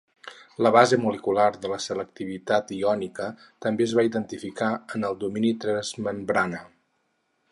La base molecular de la selectivitat iònica també es va identificar en el domini transmembrana.